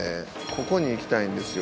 ここに行きたいんですよ。